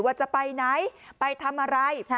ว่าจะไปไหนไปทำอะไร